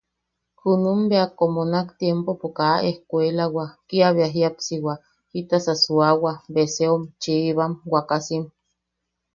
Junum bea ne komo junak tiempopo kaa ejkuelawa kiabea jiapsiwa, jitasa suawa beseom chiibam wakasim.